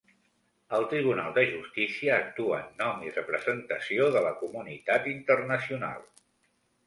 El tribunal de justícia actua en nom i representació de la comunitat internacional.